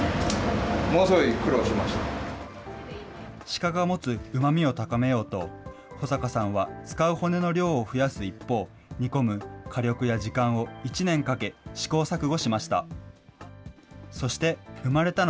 鹿が持つうまみを高めようと、保坂さんは使う骨の量を増やす一方、煮込む火力や時間を１年かけ、試行錯誤しました。